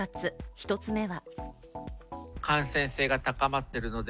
１つ目は。